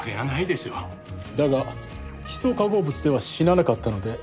だがヒ素化合物では死ななかったので実際に手を下した。